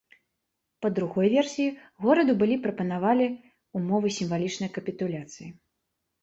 Па другой версіі, гораду былі прапанавалі ўмовы сімвалічнай капітуляцыі.